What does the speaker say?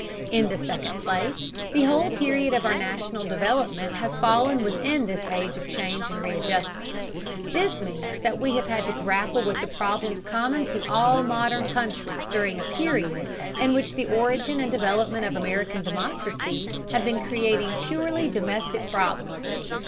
In the second place, the whole period of our national development has fallen within this age of change and readjustment This means that we have had to grapple with the problems common to all modern countries during a period in which the origin and development of American democracy have been creating purely domestic problems.